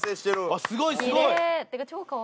あっすごいすごい！